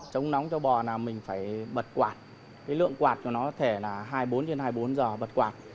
chống nóng cho bò là mình phải bật quạt cái lượng quạt của nó có thể là hai mươi bốn trên hai mươi bốn giờ bật quạt